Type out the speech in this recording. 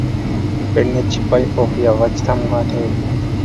بىر نەچچە پاي ئوق ياغاچ تامغا تەگدى.